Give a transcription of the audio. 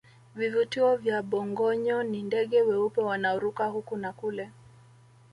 vivutio vya bongoyo ni ndege weupe wanaoruka huku na kule